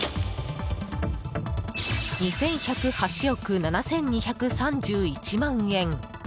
２１０８億７２３１万円。